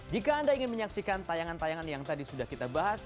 jika anda ingin menyaksikan tayangan tayangan yang tadi sudah kita bahas